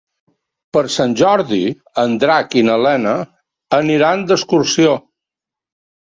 Per Sant Jordi en Drac i na Lena aniran d'excursió.